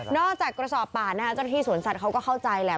จากกระสอบป่านะคะเจ้าหน้าที่สวนสัตว์เขาก็เข้าใจแหละ